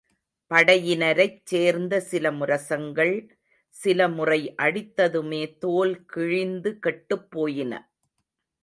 படையினரைச் சேர்ந்த சில முரசங்கள், சில முறை அடித்ததுமே தோல் கிழிந்து கெட்டுப் போயின.